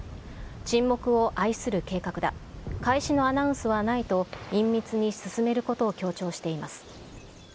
沈黙を愛する計画だ、開始のアナウンスはないと隠密に進めることを強調しています。